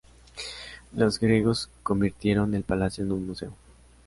Los griegos convirtieron el palacio en un museo.